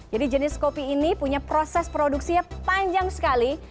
jadi jenis kopi ini punya proses produksinya panjang sekali